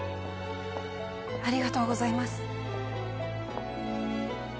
ありがとうございます